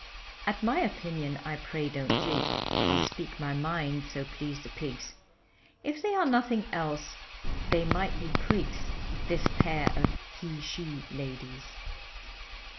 At my opinion I pray don't gig, I'll speak my mind so please the pigs, If they are nothing else, they might be prigs This pair of he she ladies.